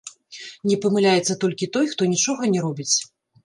Не памыляецца толькі той, хто нічога не робіць.